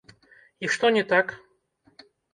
І што не так?